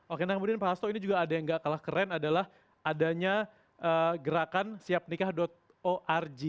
oke nah kemudian pak hasto ini juga ada yang gak kalah keren adalah adanya gerakan siapnikah org